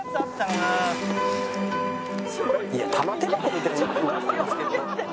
いや玉手箱みたいになってるんですけど。